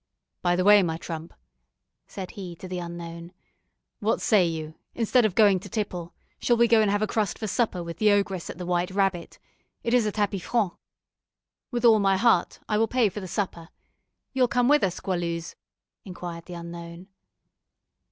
By the way, my trump," said he to the unknown, "what say you, instead of going to tipple, shall we go and have a crust for supper with the ogress at the White Rabbit? It is a tapis franc." "With all my heart. I will pay for the supper. You'll come with us, Goualeuse?" inquired the unknown.